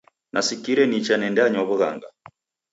Nasikire nicha nendanywa w'ughanga.